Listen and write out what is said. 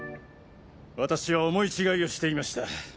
私は思い違いをしていました。